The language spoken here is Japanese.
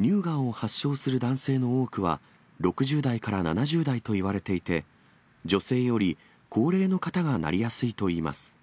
乳がんを発症する男性の多くは、６０代から７０代といわれていて、女性より高齢の方がなりやすいといいます。